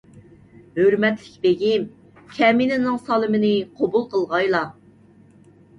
ھۆرمەتلىك بېگىم، كەمىنىنىڭ سالىمىنى قوبۇل قىلغايلا.